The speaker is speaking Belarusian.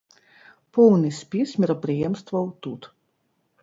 Поўны спіс мерапрыемстваў тут.